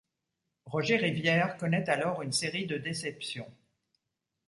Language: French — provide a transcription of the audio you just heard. Roger Rivière connaît alors une série de déceptions.